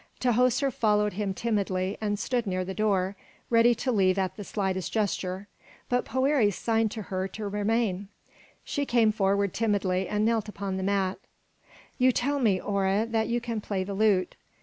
Tahoser followed him timidly, and stood near the door, ready to leave at the slightest gesture, but Poëri signed to her to remain. She came forward timidly and knelt upon the mat. "You tell me, Hora, that you can play the lute.